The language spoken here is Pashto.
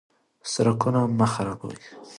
سرکونه مه خرابوئ.